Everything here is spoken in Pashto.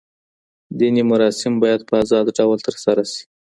دیني مراسم باید په ازاد ډول ترسره سي.